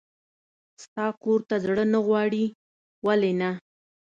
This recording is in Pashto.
ستا کور ته زړه نه غواړي؟ ولې نه.